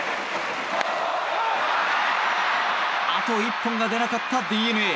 あと一本が出なかったＤｅＮＡ。